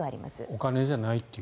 お金じゃないと。